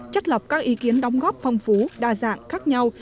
chất lập các ý kiến đóng góp phong phú đa dạng khác nhau